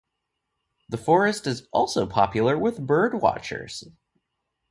The forest is also popular with birdwatchers.